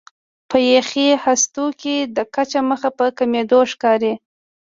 په یخي هستو کې د کچه مخ په کمېدو ښکاري.